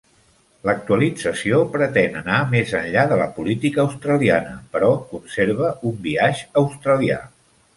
L'actualització pretén anar més enllà de la política australiana, però conserva un biaix australià.